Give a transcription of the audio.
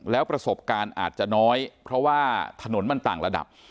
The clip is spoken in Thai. แล้วประสบการณ์อาจจะน้อยเพราะว่าถนนมันต่างระดับ